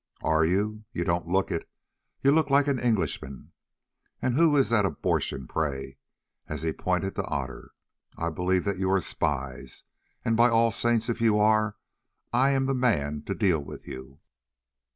"Are you? You don't look it. You look like an Englishman. And who is that abortion, pray?" and he pointed to Otter. "I believe that you are spies, and, by the Saints, if you are, I am the man to deal with you!"